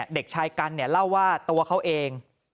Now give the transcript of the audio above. เด็กชายกันเล่าว่าตัวเขาเอง